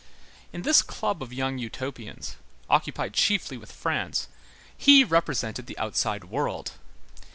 In this club of young Utopians, occupied chiefly with France, he represented the outside world.